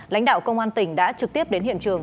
lãnh đạo công an tỉnh đã trực tiếp đến hiện trường